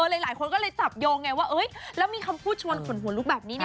หลายคนก็เลยจับโยงไงว่าแล้วมีคำพูดชวนขนหัวลุกแบบนี้นะ